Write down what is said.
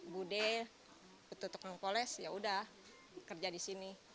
bu de betul betul pengkoles yaudah kerja di sini